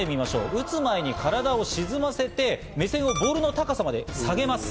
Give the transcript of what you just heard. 打つ前に体を沈ませて、目線をボールの高さまで下げます。